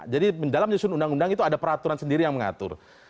jadi dalam penyusunan undang undang itu ada peraturan sendiri yang mengatur